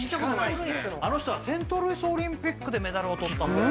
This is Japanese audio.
「あの人はセントルイスオリンピックでメダルをとったんだよ」